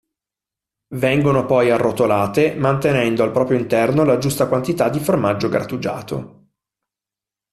Vengono poi arrotolate, mantenendo al proprio interno la giusta quantità di formaggio grattugiato.